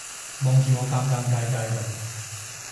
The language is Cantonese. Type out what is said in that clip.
望住我尷尷尬尬噉